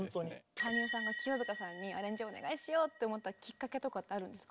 羽生さんが清塚さんにアレンジお願いしようと思ったきっかけとかってあるんですか？